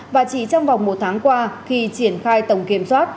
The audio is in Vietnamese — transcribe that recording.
và chỉ trong vòng một tháng qua khi triển khai tổng kiểm soát